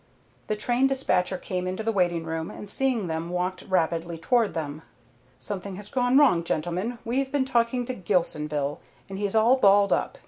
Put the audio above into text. The train despatcher came into the waiting room, and seeing them walked rapidly toward them. "Something has gone wrong, gentlemen. We've been talking to Gilsonville and he's all balled up.